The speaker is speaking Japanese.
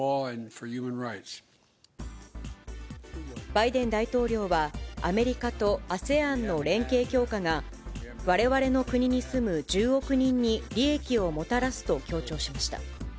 バイデン大統領は、アメリカとＡＳＥＡＮの連携強化がわれわれの国に住む１０億人に利益をもたらすと強調しました。